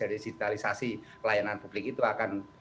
jadi digitalisasi pelayanan publik itu akan